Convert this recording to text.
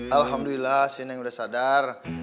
alhamdulillah si nenek udah sadar